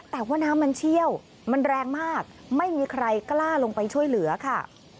แต่ว่าน้ำมันเชี่ยวมันแรงมากไม่มีใครกล้าลงไปช่วยเหลือค่ะ